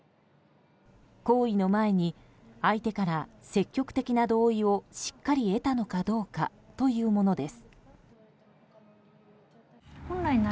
行為の前に、相手から積極的な同意をしっかり得たのかどうかというものです。